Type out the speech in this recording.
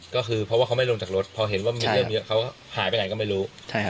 ก็คือเพราะว่าเขาไม่ลงจากรถพอเห็นว่ามีเรื่องเยอะเขาหายไปไหนก็ไม่รู้